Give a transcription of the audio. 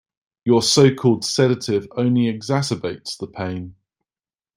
Your so-called sedative only exacerbates the pain.